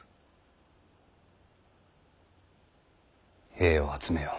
兵を集めよ。